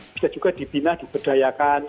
bisa juga dibina diberdayakan